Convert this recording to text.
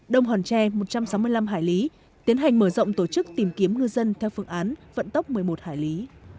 đông hòn tre một trăm sáu mươi năm hải lý tiến hành mở rộng tổ chức tìm kiếm ngư dân theo phương án vận tốc một mươi một hải lý